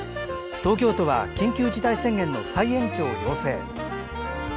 東京都は緊急事態宣言の再延長を要請。